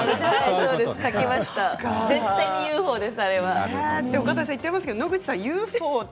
絶対あれはＵＦＯです。